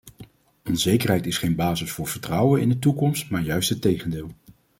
Onzekerheid is geen basis voor vertrouwen in de toekomst, maar juist het tegendeel.